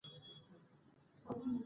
ټول افغانان بايد په دې جشن کې برخه واخلي.